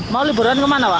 mau liburan kemana pak